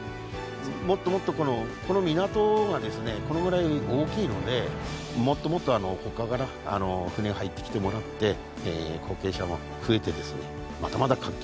もっともっとこの港がこのぐらい大きいのでもっともっと他から船入って来てもらって後継者も増えてまだまだ。